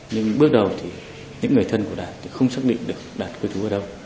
nhưng bước đầu thì những người thân của đạt thì không xác định được đạt quê thú ở đâu